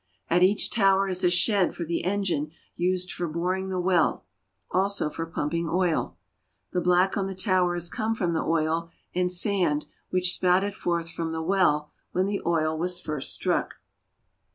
At each tower is a shed for the engine used for boring the well, also for pumping oil. The black on the tower DOWN THE VOLGA TO THE CASPIAN SEA. 359 has come from the oil and sand which spouted forth from the well when the oil was first struck.